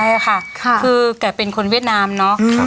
ใช่ค่ะคือแกเป็นคนเวียดนามเนาะ